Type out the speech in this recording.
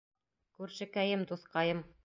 Күршекәйем, дуҫҡайым!